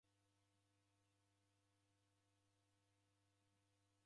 W'aw'ialuya mali ra ndee.